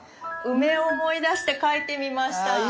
梅を思い出して描いてみました。